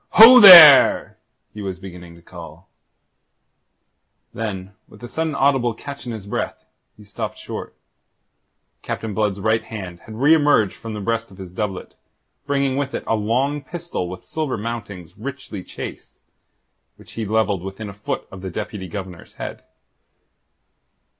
"Ho there..." he was beginning to call. Then with a sudden audible catch in his breath, he stopped short. Captain Blood's right hand had reemerged from the breast of his doublet, bringing with it a long pistol with silver mountings richly chased, which he levelled within a foot of the Deputy Governor's head.